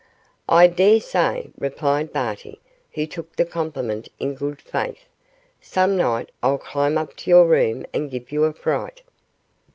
'I dare say,' replied Barty, who took the compliment in good faith. 'Some night I'll climb up to your room and give you a fright.